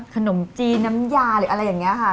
ขนมจีนน้ำยาหรืออะไรอย่างนี้ค่ะ